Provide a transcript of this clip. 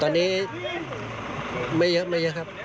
ตอนนี้ไม่เยอะไม่เยอะครับ